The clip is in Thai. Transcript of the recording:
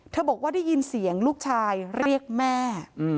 บอกว่าได้ยินเสียงลูกชายเรียกแม่